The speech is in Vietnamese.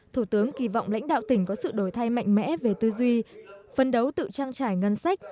thủ tướng kỳ vọng lãnh đạo tỉnh có sự đổi thay mạnh mẽ về tư duy phân đấu tự trang trải ngân sách